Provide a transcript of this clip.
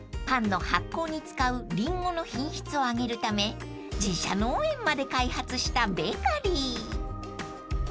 ［パンの発酵に使うリンゴの品質を上げるため自社農園まで開発したベーカリー］